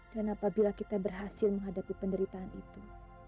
dan apabila kita berhasil menghadapi penderitaan itu